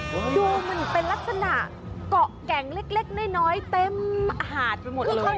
เฮ้ยดูมันเป็นลักษณะเกาะแก่งเล็กน้อยเต็มหาด